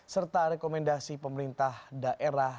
serta rekomendasi pemerintah daerah